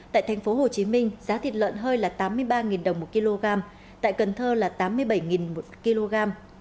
tại tp hcm giá thịt lợn hơi là tám mươi ba đồng một kg tại cần thơ là tám mươi bảy một kg